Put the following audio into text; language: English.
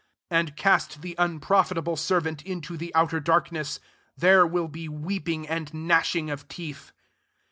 SO And cast the! unprofitable servant into the| outer darkness: there will be weeping and gnashing of teeth.'